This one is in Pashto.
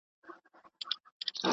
په جرګو کي به ګرېوان ورته څیرمه.